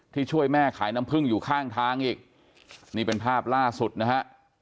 ช่วยแม่ขายน้ำพึ่งอยู่ข้างทางอีกนี่เป็นภาพล่าสุดนะฮะ